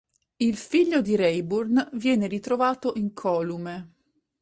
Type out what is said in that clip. Il figlio di Rayburn viene ritrovato incolume.